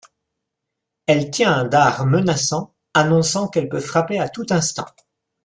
Elle tient un dard menaçant annonçant qu'elle peut frapper à tout instant.